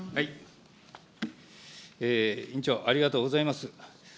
委員長、ありがとうございます。